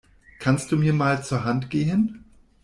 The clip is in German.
Kannst du mir mal zur Hand gehen?